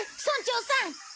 村長さん。